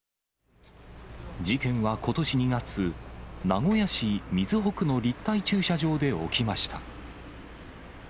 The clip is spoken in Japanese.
事件はことし２月、名古屋市瑞穂区の立体駐車場で起きました。